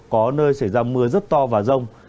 có nơi xảy ra mưa rất to và rông